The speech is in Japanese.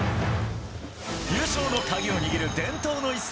優勝の鍵を握る伝統の一戦。